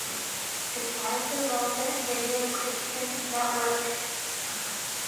It is part of the Relevant Radio Christian network.